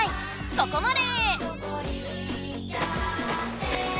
ここまで！